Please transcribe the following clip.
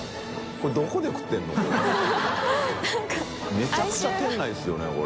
めちゃくちゃ店内ですよねこれ。